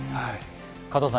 加藤さん